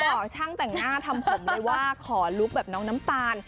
บอกช่างแต่งหน้าทำผมเลยว่าขอลุคแบบน้องน้ำตาล